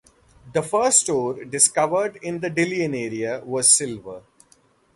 The first ore discovered in the Dillon area was silver.